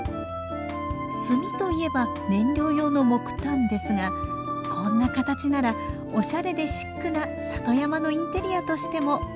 炭といえば燃料用の木炭ですがこんな形ならおしゃれでシックな里山のインテリアとしても使えます。